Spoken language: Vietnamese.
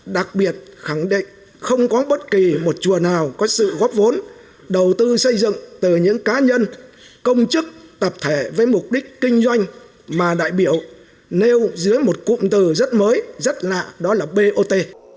đặc biệt khẳng định không có bất kỳ một chùa nào có sự góp vốn đầu tư xây dựng từ những cá nhân công chức tập thể với mục đích kinh doanh mà đại biểu nêu dưới một cụm từ rất mới rất lạ đó là bot